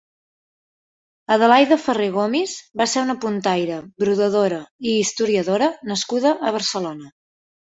Adelaida Ferré Gomis va ser una puntaire, brodadora i historiadora nascuda a Barcelona.